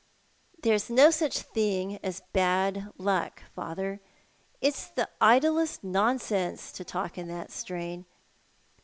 "There's no such thing as bad luck, father. It's the idlest nonsense to talk in tliat strain.